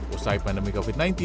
usai pandemi covid sembilan belas